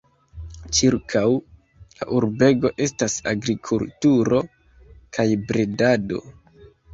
Ĉirkaŭ la urbego estas agrikulturo kaj bredado.